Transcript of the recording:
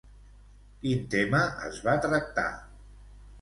Quin tema es va tractar?